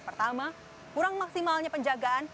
pertama kurang maksimalnya penjagaan